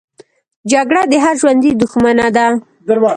جګړه د هر ژوندي دښمنه ده